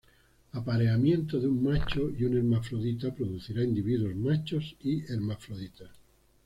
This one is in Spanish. Apareamientos de un macho y un hermafrodita producirá individuos machos y hermafroditas.